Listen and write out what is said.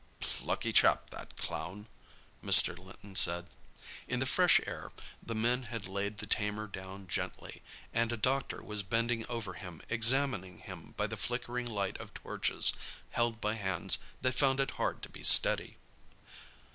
"Plucky chap, that clown," Mr. Linton said. In the fresh air the men had laid the tamer down gently, and a doctor was bending over him examining him by the flickering light of torches held by hands that found it hard to be steady.